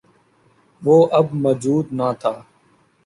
وہ اب موجود نہ تھا۔